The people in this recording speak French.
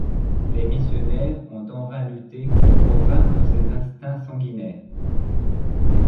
Les missionnaires ont en vain lutté pour vaincre ces instincts sanguinaires.